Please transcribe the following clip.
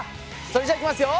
それじゃいきますよ。